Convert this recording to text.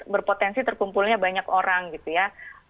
berpotensi terkumpulnya banyak orang gitu ya